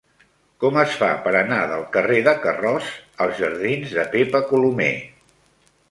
Com es fa per anar del carrer de Carroç als jardins de Pepa Colomer?